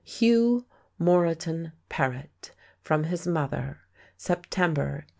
"Hugh Moreton Paret, from his Mother. September, 1881."